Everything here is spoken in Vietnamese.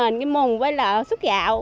một cái mùng với lợi súc gạo